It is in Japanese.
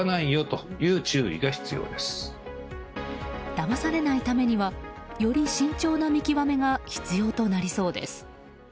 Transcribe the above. だまされないためにはより慎重な見極めが必要となりそうです。